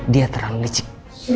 dia terlalu licik